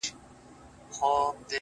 زما د سيمي د ميوند شاعري ،